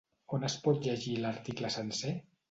On es pot llegir l'article sencer?